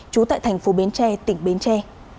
trú tại thành phố bến tre tỉnh bến tre